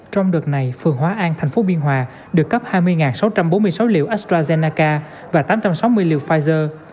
trong đợt này phường hóa an thành phố biên hòa được cấp hai mươi sáu trăm bốn mươi sáu liều astrazeneca và tám trăm sáu mươi liều pfizer